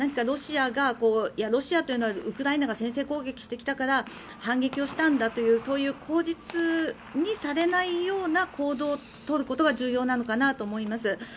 ロシアというのはウクライナが先制攻撃してきたから反撃したんだという口実にされないような行動を取ることが重要なのかなと思います。